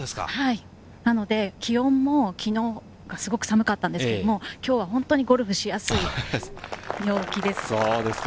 なので気温も昨日がすごく寒かったんですけど、今日は本当にゴルフがしやすいです。